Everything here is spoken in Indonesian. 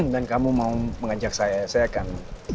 dan kamu mau mengajak saya saya akan